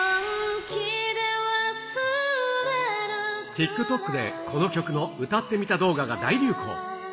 ＴｉｋＴｏｋでこの曲の歌ってみた動画が大流行。